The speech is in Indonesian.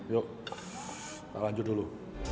yuk kita lanjut dulu